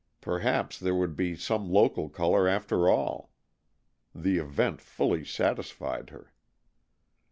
Perhaps there would be some local color after all. The event fully satisfied her.